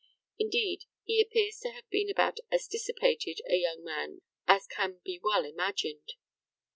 Indeed, he appears to have been about as dissipated a young man as can be well imagined.